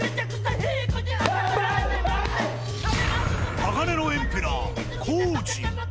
鋼のエンペラー、皇治。